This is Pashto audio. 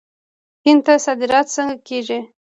هند ته صادرات څنګه کیږي؟